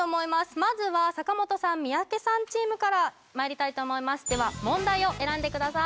まずは坂本さん三宅さんチームからまいりたいと思いますでは問題を選んでください